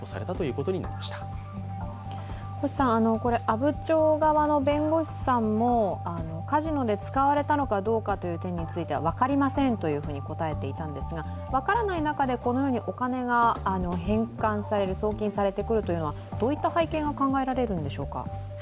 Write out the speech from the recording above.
阿武町側の弁護士さんもカジノで使われたかどうかという点についても分かりませんと答えていたんですが分からない中でこのようにお金が返還される、送金されてくるというのはどういった背景が考えられるんでしょうか。